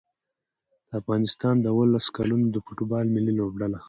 د افغانستان د اولس کلونو د فوټبال ملي لوبډله